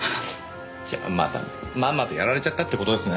じゃあまたまんまとやられちゃったって事ですね。